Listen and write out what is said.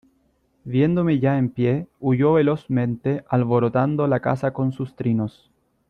viéndome ya en pie, huyó velozmente alborotando la casa con sus trinos.